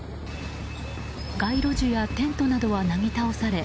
街路樹やテントなどはなぎ倒され。